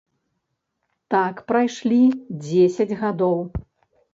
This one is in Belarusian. Так прайшлі дзесяць гадоў.